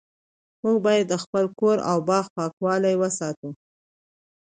موږ باید د خپل کور او باغ پاکوالی وساتو